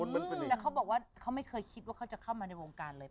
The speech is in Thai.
แต่เขาบอกว่าเขาไม่เคยคิดว่าเขาจะเข้ามาในวงการเลย